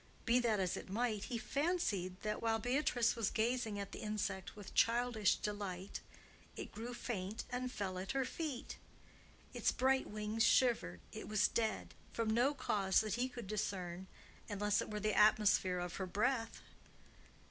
Be that as it might, he fancied that, while Beatrice was gazing at the insect with childish delight, it grew faint and fell at her feet; its bright wings shivered; it was dead—from no cause that he could discern, unless it were the atmosphere of her breath.